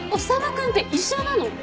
君って医者なの？